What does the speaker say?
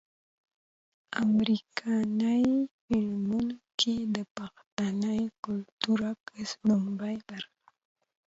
امريکني فلمونو کښې د پښتني کلتور عکس وړومبۍ برخه